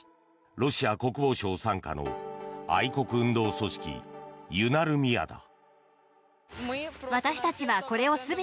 ロシア国防省傘下の愛国運動組織、ユナルミヤだ。